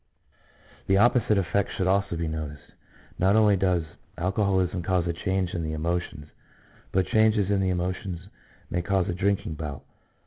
l6l The opposite effect should also be noticed : not only does alcoholism cause a change in the emotions, but changes in the emotions may cause a drinking bout.